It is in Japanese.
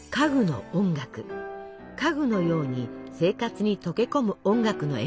家具のように生活に溶け込む音楽の演奏でした。